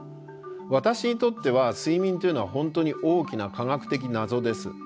私にとっては睡眠というのは本当に大きな科学的謎です。